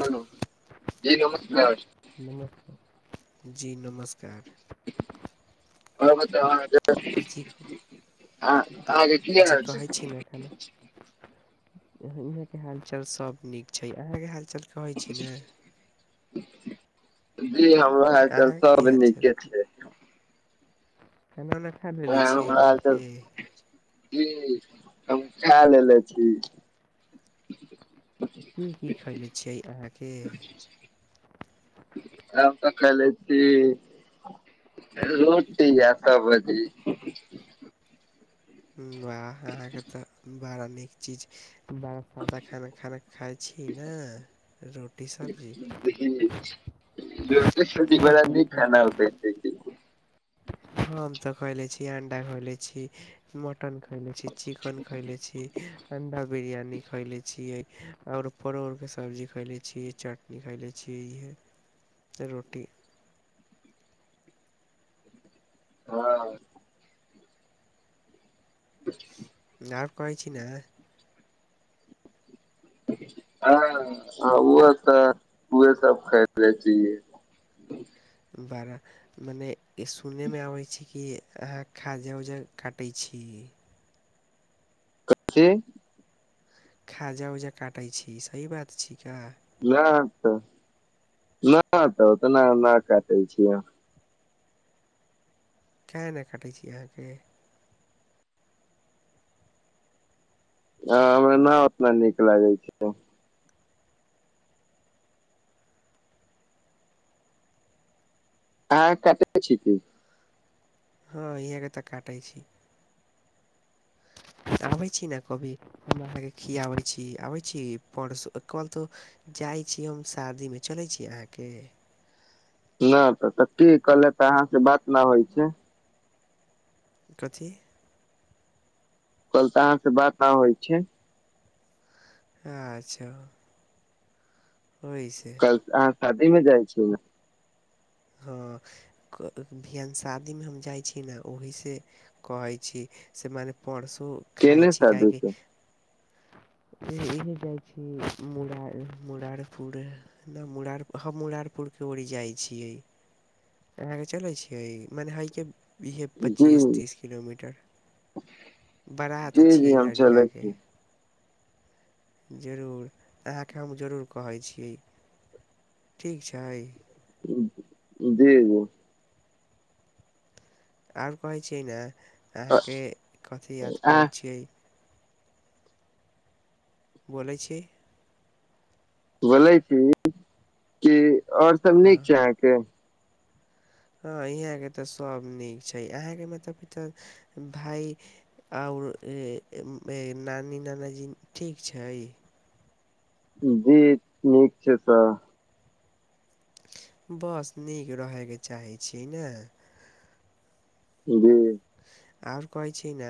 hello जी नमस्कार नमस्कार जी नमस्कार और बताउ अहाँकेँ जी अहाँके की जी हाल छै कहै छी न एखन इहाँ के हाल चाल सब नीक छै अहाँ के हाल चाल जी हमरो हाल चाल अहाँके की सब हालचाल नीके छै खाना उना खा लेलेेे आ, छियै हमरो हालचाल अहाँके जी हम खा लेले छी की की खयले छियै अहाँके हमब तऽ खैले छी रोटी या सब्जी वाह अहाँके तऽ बड़ा नीक चीज बा सादा खाना खाना खाइ छी नै रोटी सब्जी देखि रोट सब्जि बाड़ा नीक खाना होखैय हम तऽ खोएले छी अंडा खयले छी मटन खैले छी चिकन खैले छी अण्डा बिरयानी खैले छियै आओर परोरके सब्जी खाइले छियै चटनी खाइले छियै इहे रोटी हँ आओर कहै छी न ह ओ तऽ उहे सब खले छिये बड़ा मने सुनैमे आबै छै की अहाँ खाजा उजा काटै छी कथि खाजा उजा काटै छी सही बात छी का ना तऽ न तऽ ओतना नहि काटै छियै काहे न काटैय छी अहाँकेँ हँ हमरा न ओतना नीक लागे छै हँ काटैय छि की हँ इहाँ के तऽ काटै छी तऽ आबै छी ने कभी हमरा सके खियाबै छी आबै छी परस कहल तऽ जाइ छी हम शादीमे चलैत छी अहाँके नहि तऽ त की कहले तऽ अहाँ से बात न होइ छै कथी कल तऽ अहाँ से बात न होइ छै ह अच्छा होइ छै कल अहाँ शादी में जाइ छियै हँ बियन शादीमे हम जाइ छी ने ओहिसँ कहइ छी से मने परसु खाय केने छी शादी काहेकि से इहाँ जाइ छी मुर मुरारपुर न मुरार हम मुरारपुरके थोड़ी जाइ छियै अहाँके चलै छियै मने हइके इहे जी पच्चीस तीस किलोमीटर बड़ा जी तऽ जी छियै ई हम चलै लड़िकाकेँ छी जरूर अहाँके हम जरूर कहै छी ठीक छै जी जी आओर कहैत छियै ने अहाँके कथी याद अहाँ करैत छियै बोलै छी बोलै छी कि और सब हँ नीक छै अहाँके हँ यहाँ के तऽ सब नीक छै अहाँके मतलब क तऽ भाय आओर ए नानी नानाजी ठीक छै जी नीक छै सर बस नीक रहयके चाहैत छी ने जी आओर कहै छी न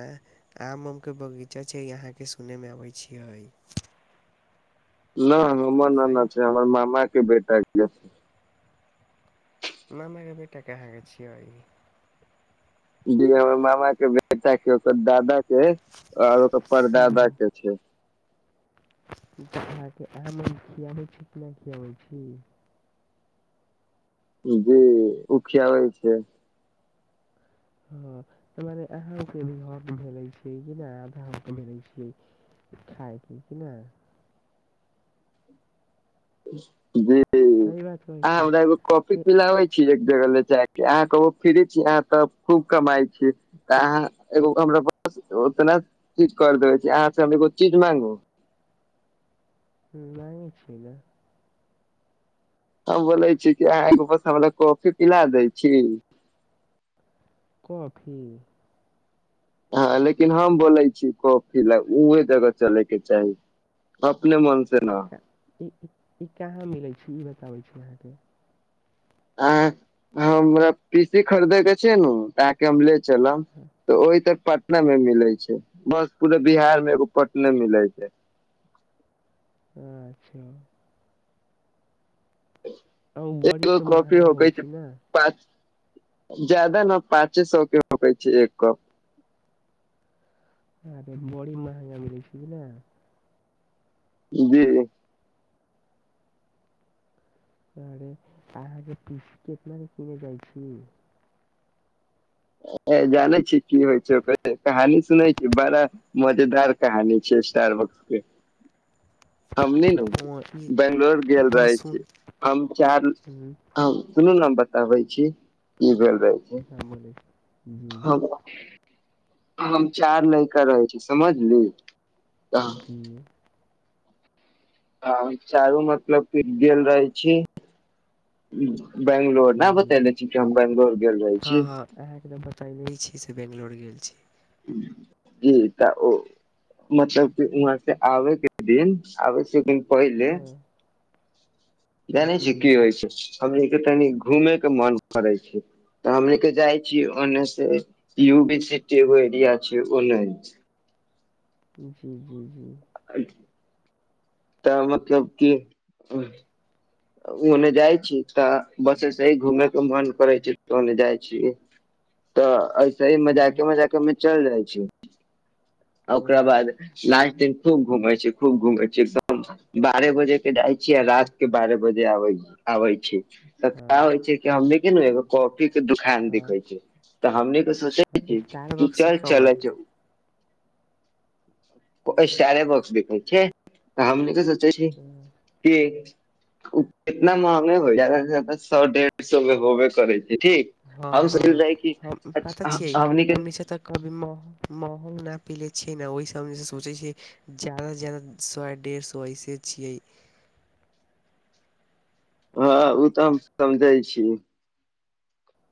आम आम के बगीचा छै यहा के सुने मे अबे छिये नहि हमर ने ना सही छै हमर मामा के बेटा के नानाके बेटा कहां के छियै जी हमर मामा के बेटा के ओकर दादा के आओर ओकर परदादा के छै अके आम आर खियाबै छी कि नहि खियाबै छी जी उ ऊखियाबै छियै हँ तऽ मने अहाँके भी हक भेलै छै कि नहि आधा हाथ भेलै छै खायब क न जी सही बात कहै आ छियै हमरा एगो कॉफी के पिलबै छी एक जगह ले जाके अहाँ कहू फिरे छी अहाँ त खूब कमाई छी तऽ अहाँ एगो हमरा पास उतना चीज कर देबे छी अहाँ से हम एगो चीज मांगू ह नहि छी ने हम बोलै छी कि अहाँ हमरा कॉफी पिला दै छी कॉफी हँ लेकिन हम बोलै छी कॉफी ला उहे जगह चले के चाही अपने मन से न ई ई कहाँ मिलै छै ई बताबै छी अहाँके अ हमरा पीसी खरीदे के छै ने तऽ आके हम ले चलब हँ, तऽ ओहि तऽ पटना मे मिलै छै बस पूरा बिहार मे एगो पटने मिले छै अच्छा आ बड़ी तऽ महंगा होइ छै ने पच जादा ने पाँचे सए के रकै छै एक कप अरे बड़ी महंगा मिलै छै बझ ने जी रे अहाँ पीसी कट मने कने जाइ छी जानै छी की होइ छै ओकर कहानी सुनै छी बड़ा मजेदार कानी छै स्टार बकसके हमनी ने हँ ई बंगलोर गेल हँ रहे सुन छी हम चार हूँ, हम सुनू न बताबै छी की भेल रहे हँ बोली जी जी ह हम चार लैका रहै छी समझली जी ह चारू मतलब फिट गेल रहै छी बंगलोर जी ने जी बतेले छी कि हम बैंगलोर गेल रहे छी इह एकदम पहिले भी छी से बैंगलोर गेल छी जी तऽ ओ मतलब क वहाँ से आबे के दिन आबे के दिन पहिले हँ जानै छी जी की जी होइ छै हमरा तनी घूमे के मन करै छै तऽ हम ले के जाइ छीयै ओने से यू बी सिटी एगो एरिया छै ओने से जी जी जी अ तऽ मतलब क ओने जाइ छी तऽ बस एसे ही घूमे के मन करै छै ओने जाइ छी तऽ ऐसे ही हँ मजाके मजाका मे चलि जाइ छीै आ ओकरा हँ बाद लास्ट दिन खूब घूम छी खूब घूमै छी एकदम बारह बजे के जाइ छी आ रात के बारह बजे आ आबै छी ता हँ होइ छै हमनीके एगो कॉफी के दुकान दिखै हँ छै तऽ हमने त सोचै छ स्टार कि बक्सी चल चल कमन जा एसारे बॉक्स देखै छै हमनी के सोचे छी कि ओ कतना महंगे हो जादे से जादा सए डेढ़ सए मे होबे करै छै ठीक हँ हम सोचल हँ रही कि हम पता छियै हमनी के हमनि त कभी मह महग नहि पी लै छियै ने ओहि सब जे सोचै छिय जादासँ जादा सए डेढ़ सए ऐसे छियै हँ ओ तऽ हम समझै छीये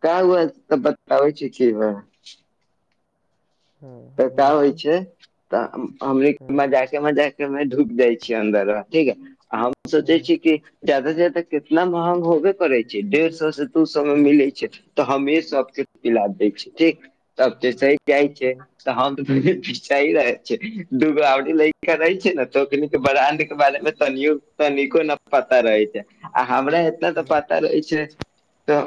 क हुए तऽ बताबै छी क हँ पैसा बोलै होइ छी छै तऽ हम हँ मजाके मजाक मे ढुक जाइ छीयै अन्दर ठीक है आ हम सोचै हँ छी कि जादा से जादा केितना महगा होबे करै छै डेढ़ सए से दू सए मे हँ मिलै छै तऽ हमे सबके पिला दै छियै ठीक तब तऽ सहि जाइ छै हँ तऽ हम त रहे छियै दू गो अउरी लड़िके रहै छै ने त ओखनीके ब्रांड के बारे मे तनियो तनिको न पता रहै छै आ हमरा एतना तऽ हँ पता रहै छै तऽ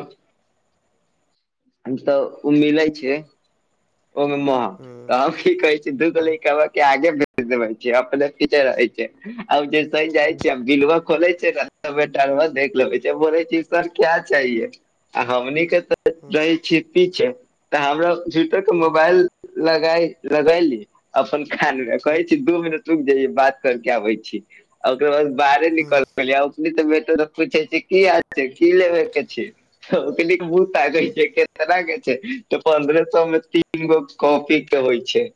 तऽ ओ मिले छै ओहिमे म हँ त हँ की कहै छै दू गो लड़िका क आगे मे अपने पीछे रहै छै आब जे सहि जाइ छै बिलवा खोले छै न बेटा देख लेबै छै बोले छी सर क्या चाहिेये आ हमनी के त छिती छै तऽ हमरा झूठो के हँ मोबाइल लगाय लगयली अपन खानमे हँ कहै हँ छी दू मिनट रुक जाइय बात कर के आबै छी आ ओकरा बाद बाहरे हँ निकल प ओ त बेटर पूछे छै की हाल छै की लेबे के छै ह प मूह ताकै छै के लागे छै त पन्द्र सएमे तीन गो कॉपी के होइ छै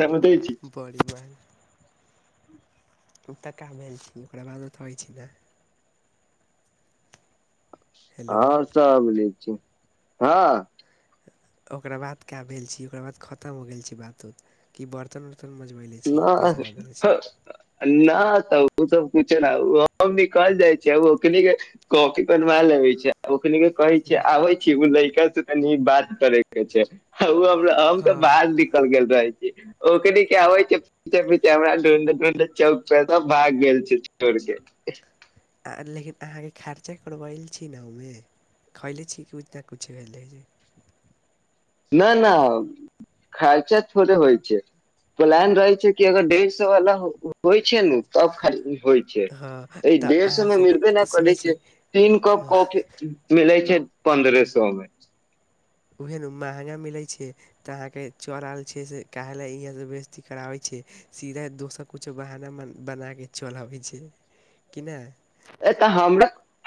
समझै छी पर तऽ क छी ओकरा बाद होइ छै ने हेलो हँ सब लै छै हँ ओकरा बाद की भेल छी ओकरा बाद ख़त्म हो गेल छी बात उत कि बर्तन उर्तन मजबैले छी पैसा न देले छी नहि तऽ ओ सभ किछु ने ओ हम निकल जाइ छी कॉपी बनवा लेबे छै ओकरा के कहै छै आब की एगो लैका से कनि बात करै क छै हम तऽ हँ बाहर निकल गेल रहे छी ओकरा के होइ छै पिछे पिछे हमरा ढूढे ढूढे चौक पे तऽ भाग गेल छै छोड़ के आ लेकिन अहाँ के खर्चा करबल छी ने ओहि मे खैले छी किछु ने किछु भेल रहै छै नहि नहि खर्चा थोड़े होइ छै प्लान रहे छै कि अगर डेढ़ सै वाला होइ छै ने तब खाली होइत से हँ एहि तऽ देश मे अहाँसँ मिलबे नहि करै सुनै छै छी तीन कप कॉफी मिलै छै पन्द्रह सै मे उहे ने महगा मिलैत छै तऽ अहाँ के चोरालय छै से काहे ले इहे ल बेजती कराबै छै सीधे दोसर किछु बहाना बना के चलि अबै छै कि नहि ए तऽ हम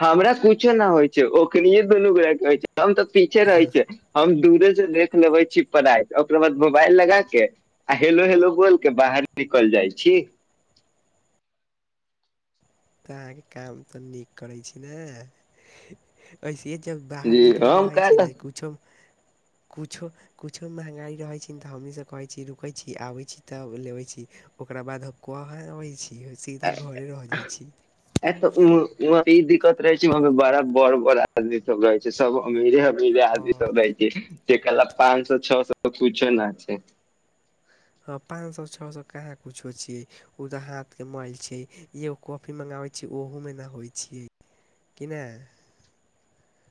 हमरा किछु नहि होइत छै ओकरे दुनू गोट के होय छै हम तऽ पीछे रहै छियै हम दूरे से देख लेबे छीयै पाराइत ओकरा बाद मोबाइल लगा के आ हेलो हेलो बोलि के बाहर निकल जाइ छी तऽ अहाँ ई काम तऽ नीक करैत छी नहि ओनाइथो जब बाहर जी निकलै के हम रहै छी न क किछु किछु किछु महंगाइ रहै छै तऽ हमहीँ सभ कहै छी रुकै छी आबै छी तऽ लेबै छी ओकरा बाद हम कहाँ अबैत छी सीधा घरे रहि जाइत छी ए त ई दिक्कत रहे छै वहं बड़ा बड़ बड़ आदमी सभ रहै छै सभ अमीरे आमीरे आदमी हँ सभ रहै छै से कहलक पाँच सै छ सै त किछु नहि छै हँ पांच सै छओ सै कहाँ किछु छियै ओ त हाथ के मैइल छै यो कॉफी मंगाबै छी ओहो मे नहि होइ छीयै कि न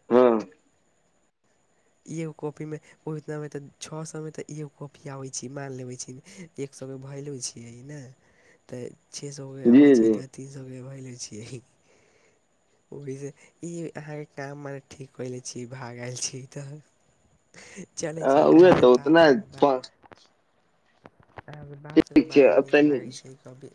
हँ एगो कॉपी मे ओहिमे तऽ छओ सै मे तऽ एगो कॉपी आबैत छै मानि लेबै छी एक सए के भैलू छियै न तऽ छओ सए के अबै जी छी जी तऽ तीन सए के भय लै छियै ओ से ई अहाँ के मने ठीक क लेने छी भागि गेल छी तऽ चलै आ, छै उहे अहाँ तऽ बात उतना के बाद प- अहाँके बात सभ के ठीक छै बड़ा अब नीक तनी लागैत छै कभी